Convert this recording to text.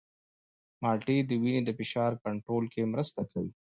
مالټې د وینې د فشار کنټرول کې مرسته کوي.